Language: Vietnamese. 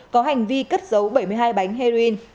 có hành vi cất dấu bảy mươi hai bánh heroin